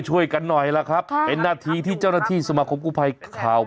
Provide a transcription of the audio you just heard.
ช่วยกันหน่อยแหละครับเป็นนาทีที่เจ้าหน้าที่สมคุมกุไพรข่าว